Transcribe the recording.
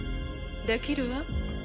できるわ。